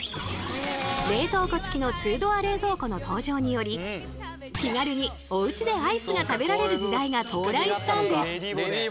冷凍庫つきの２ドア冷蔵庫の登場により気軽におうちでアイスが食べられる時代が到来したんです！